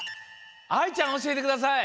あいちゃんおしえてください。